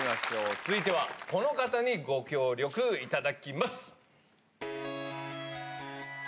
続いては、この方にご協力いただきます。